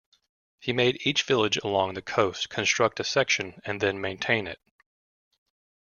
He made each village along the coast construct a section and then maintain it.